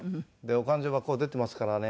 「お勘定がここ出てますからね」